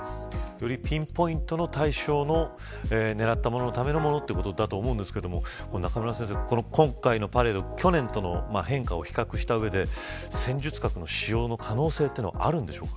よりピンポイントの対象を狙ったもののためだということですが中村先生、今回のパレード去年との変化を比較した上で戦術核の使用の可能性はあるんでしょうか。